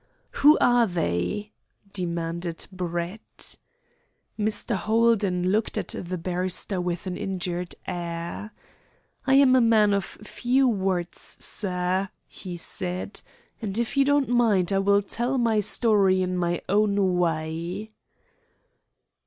"Who are they?" demanded Brett. Mr. Holden looked at the barrister with an injured air. "I am a man of few words, sir," he said, "and if you do not mind, I will tell my story in my own way."